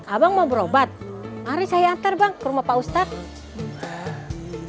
abang mau berobat mari saya antar bang ke rumah pak ustadz